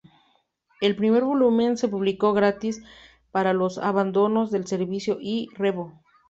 El primer volumen se publicó gratis para los abonados del servicio i-revo.